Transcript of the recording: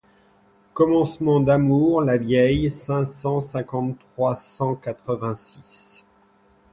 Commencement d’amour Lavieille cinq cent cinquante-trois trois cent quatre-vingt-six.